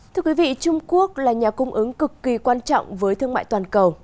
thưa quý vị trung quốc là nhà cung ứng cực kỳ quan trọng với thương mại toàn cầu